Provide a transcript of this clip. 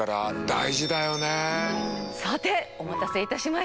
さてお待たせいたしました。